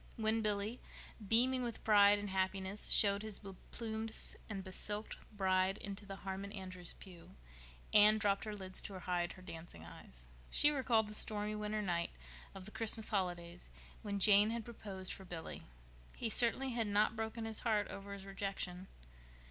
When Billy, beaming with pride and happiness, showed his be plumed and be silked bride into the Harmon Andrews' pew, Anne dropped her lids to hide her dancing eyes. She recalled the stormy winter night of the Christmas holidays when Jane had proposed for Billy. He certainly had not broken his heart over his rejection.